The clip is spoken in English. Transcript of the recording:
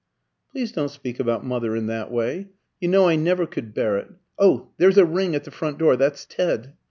"Please don't speak about mother in that way; you know I never could bear it. Oh, there's a ring at the front door! That's Ted."